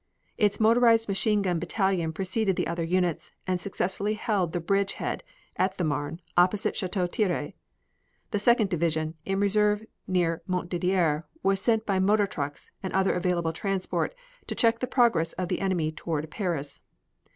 Its motorized machine gun battalion preceded the other units and successfully held the bridge head at the Marne, opposite Chateau Thierry. The Second Division, in reserve near Montdidier, was sent by motor trucks and other available transport to check the progress of the enemy toward Paris.